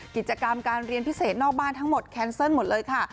กิจกรรมการเรียนพิเศษนอกบ้านทั้งหมดแคนเซิลหมดเลยค่ะ